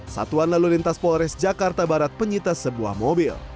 satuan lalu lintas polres jakarta barat penyita sebuah mobil